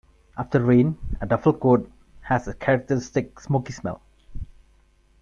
After rain, a duffle coat has a characteristic smoky smell.